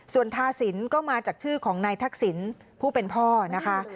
ส่วนทาสินก็มาจากชื่อของนายทักษิณผู้เป็นพ่อนะคะ